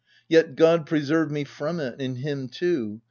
Yet, God preserve me from it !— and him too.